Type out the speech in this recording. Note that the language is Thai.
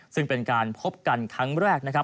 ซึ่งเป็นการพบกันครั้งแรก